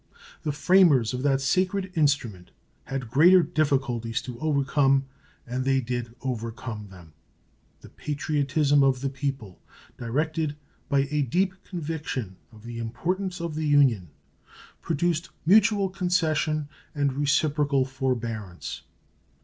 The framers of that sacred instrument had greater difficulties to overcome, and they did overcome them. The patriotism of the people, directed by a deep conviction of the importance of the Union, produced mutual concession and reciprocal forbearance.